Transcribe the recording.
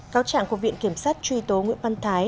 cáo trạng của viện kiểm sát truy tố nguyễn văn thái